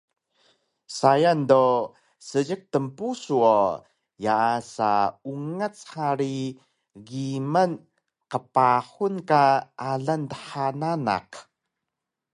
Sayang do seejiq tnpusu o yaasa ungac hari giman qpahun ka alang dha nanaq